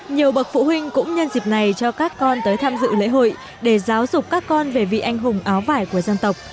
nhiều bậc phụ huynh cũng nhân dịp này cho các con tới tham dự lễ hội để giáo dục các con về vị anh hùng áo vải của dân tộc